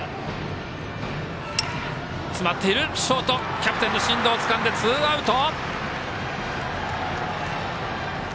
キャプテンの進藤つかんでツーアウト。